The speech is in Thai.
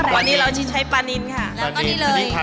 วันนี้เราจะใช้ปลานินค่ะ